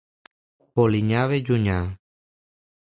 Polinyà ve llunyà.